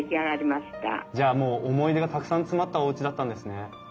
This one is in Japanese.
じゃあもう思い出がたくさん詰まったおうちだったんですね。